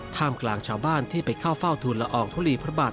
กลางชาวบ้านที่ไปเข้าเฝ้าทุนละอองทุลีพระบาท